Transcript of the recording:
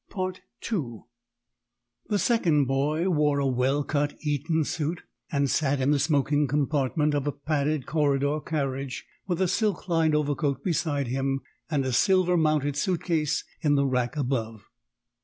II. The second boy wore a well cut Eton suit, and sat in the smoking compartment of a padded corridor carriage, with a silk lined overcoat beside him and a silver mounted suit case in the rack above.